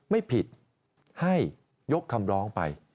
ไม่ผิดให้ยกคำร้องไป